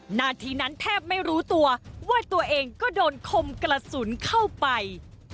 หน้าทีนั้นแทบไม่รู้ตัวว่าตัวเองก็โดนคมกระสุนเข้าไป